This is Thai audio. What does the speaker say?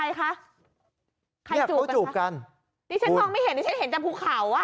ใครจูบกันคะนี่เขาจูบกันนี่ฉันมองไม่เห็นนี่ฉันเห็นแต่ผู้เขา